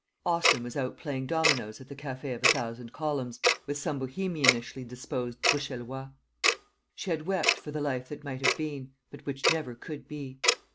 Austin was out playing dominoes at the café of a Thousand Columns, with some Bohemianishly disposed Bruxellois. She had wept for the life that might have been, but which never could be.